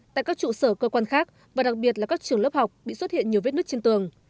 tại các trụ sở cơ quan khác và đặc biệt là các trường lớp học bị xuất hiện nhiều vết nứt trên tường